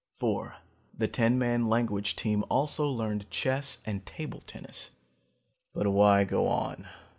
"Four, the ten man language team also learned chess and table tennis. "But why go on?